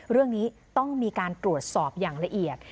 เรื่องนี้ต้องมีการตรวจสอบอย่างละเอียด